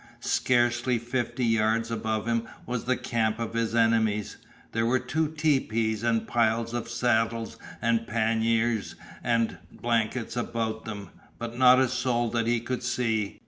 Scarcely fifty yards above him was the camp of his enemies! There were two tepees and piles of saddles and panniers and blankets about them, but not a soul that he could see.